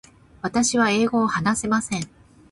私は英語を話せません。